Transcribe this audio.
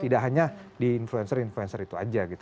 tidak hanya di influencer influencer itu aja gitu